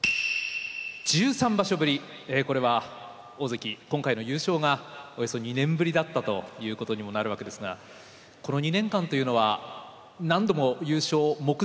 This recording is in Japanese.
これは大関今回の優勝がおよそ２年ぶりだったということにもなるわけですがこの２年間というのは何度も優勝目前ということもありました。